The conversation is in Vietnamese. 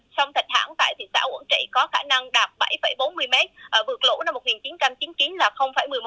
sông thạch hãn tại thị xã quảng trị có khả năng đạt bảy bốn mươi m vượt lũ năm một nghìn chín trăm chín mươi chín là một mươi một m